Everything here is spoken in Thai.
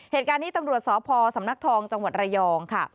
เหตุการณ์นี้ตำรวจสพสำนักทองจังหวัดระยองค่ะ